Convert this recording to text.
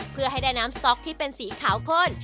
เพื่อให้ได้น้ำสต๊อกที่เป็นสีขาวข้น